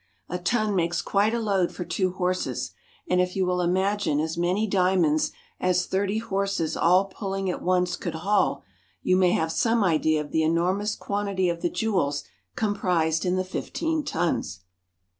A ton makes quite a load for two horses, and if you will imagine as many diamonds as thirty horses all pulling at once could haul, you may have some idea of the enormous quatitity of the jewels comprised in the fifteen tons.